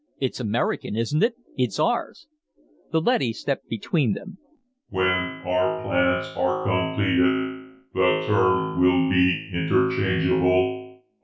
"It's American, isn't it? It's ours!" The leady stepped between them. "When our plans are completed, the term will be interchangeable.